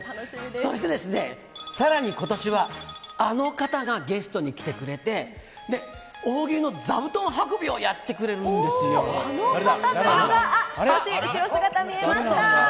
そして、さらにことしは、あの方がゲストに来てくれて、大喜利の座布団運びをやってくれるんですあの方というのが、あっ、後ろ姿が？